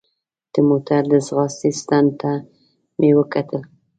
د موټر د ځغاستې ستن ته مې وکتل.